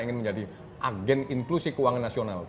ingin menjadi agen inklusi keuangan nasional